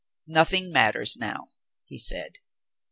"Nothing matters now," he said.